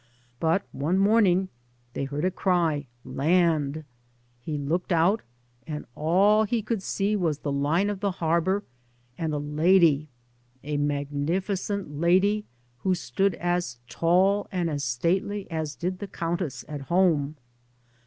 But one morning they heard a cry, " Land !" He looked out and all he could see was the line of the harbour, and a lady, a magnificent lady who stood as tall and as stately as did the countess at home.